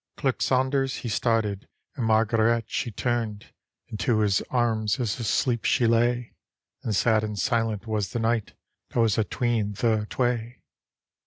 Clerk Saunders he started, and Margaret she turned, Into his arms as asleep she lay ; And sad and silent was the night That was atween thir twae.